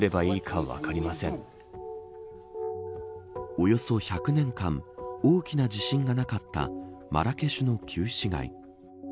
およそ１００年間大きな地震がなかったマラケシュの旧市街。